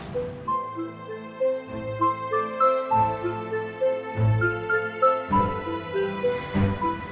gue kesel banget sama atta put